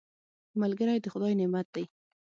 ملګری د خدای نعمت دی